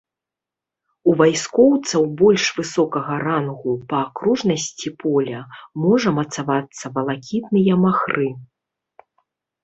У вайскоўцаў больш высокага рангу па акружнасці поля можа мацавацца валакітныя махры.